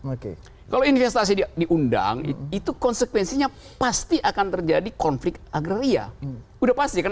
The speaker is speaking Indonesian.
oke kalau investasi diundang itu konsekuensinya pasti akan terjadi konflik agraria udah pasti kan